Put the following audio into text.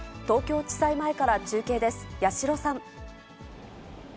東京地裁前から中継です、矢代さん。